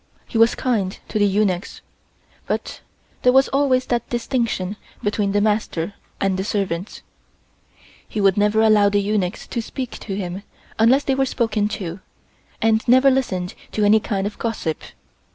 He was kind to the eunuchs, but there was always that distinction between the master and the servants. He would never allow the eunuchs to speak to him unless they were spoken to, and never listened to any kind of gossip.